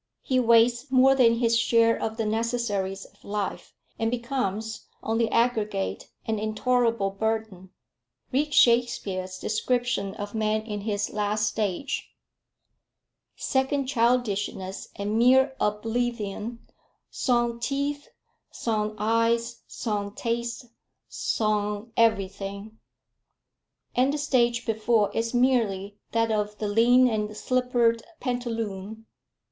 He wastes more than his share of the necessaries of life, and becomes, on the aggregate, an intolerable burden. Read Shakespeare's description of man in his last stage 'Second childishness, and mere oblivion, Sans teeth, sans eyes, sans taste, sans everything;' and the stage before is merely that of the 'lean and slippered pantaloon.'